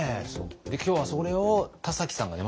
今日はそれを田崎さんがね